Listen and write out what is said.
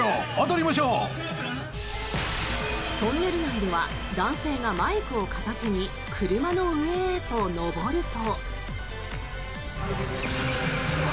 トンネル内では男性がマイクを片手に車の上へと上ると。